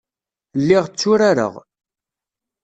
Lliɣ tturareɣ.